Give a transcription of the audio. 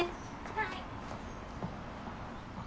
はい。